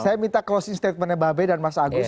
saya minta closing statementnya mbak bey dan mas agus